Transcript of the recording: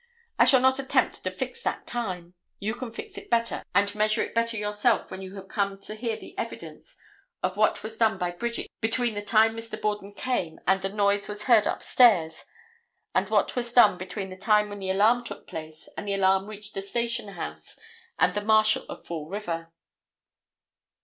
I shall not attempt to fix that time; you can fix it better and measure it better yourself when you come to hear the evidence of what was done by Bridget between the time Mr. Borden came and the noise was heard upstairs and what was done between the time when the alarm took place and the alarm reached the station house and the Marshal of Fall River.